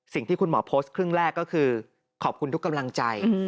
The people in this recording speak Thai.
สิ่งที่คุณหมอโพสต์ครึ่งแรกก็คือขอบคุณทุกกำลังใจ